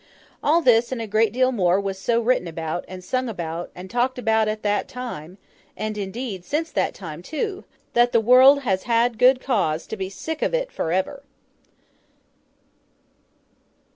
All this and a great deal more was so written about, and sung about, and talked about at that time (and, indeed, since that time too), that the world has had good cause to be sick of it, for ever.